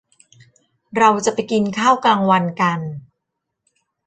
เราจะไปกินข้าวกลางวันกัน